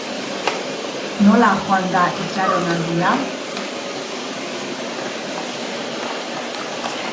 Nola joan da itxaronaldia?